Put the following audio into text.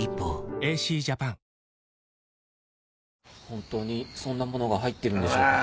本当にそんなものが入ってるんでしょうか？